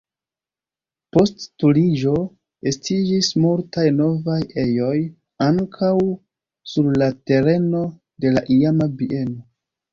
Post Turniĝo estiĝis multaj novaj ejoj, ankaŭ sur la tereno de la iama bieno.